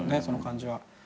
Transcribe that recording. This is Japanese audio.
その感じは。